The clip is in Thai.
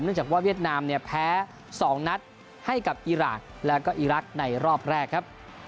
เนื่องจากว่าเวียดนามแพ้๒นัทให้กับอิรักษ์และก็อิรักษ์ในรอบแรกครับ